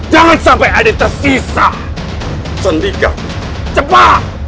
jangan sampai ada tersisa